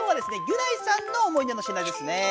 ギュナイさんの思い出の品ですねえ。